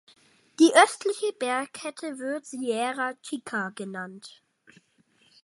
Die östliche Bergkette wird Sierra Chica genannt.